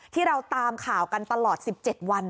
ที่เราตามข่าวกันตลอด๑๗วัน